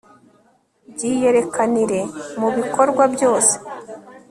byiyerekanire mu bikorwa byose